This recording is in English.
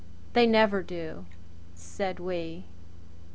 "They never do!" said we.